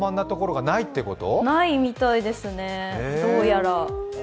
ないみたいですね、どうやら。